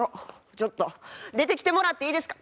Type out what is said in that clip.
ちょっと出てきてもらっていいですか？